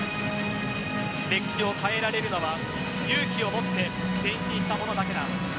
歴史を変えられるのは勇気を持って前進したものだけだ。